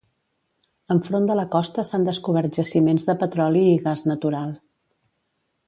Enfront de la costa s'han descobert jaciments de petroli i gas natural.